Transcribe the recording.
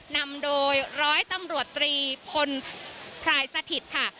นำโดยร้อยตำรวจตรีพลพรายสถิตค่ะ